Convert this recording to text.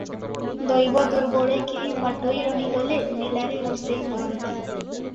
ଦୈବ ଦୁର୍ବଳେ କେହି ବାଟୋଇ ରହିଗଲେ ମେଲାରେ ରୋଷେଇ କରନ୍ତି ।